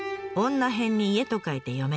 「女偏」に「家」と書いて「嫁」。